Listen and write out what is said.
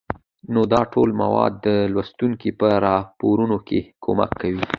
نو دا ټول موارد د لوستونکى په راپارونه کې کمک کوي